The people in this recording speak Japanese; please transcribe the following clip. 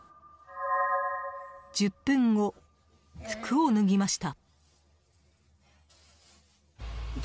１０分後、服を脱ぎました。